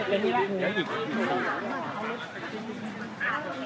สวัสดีครับ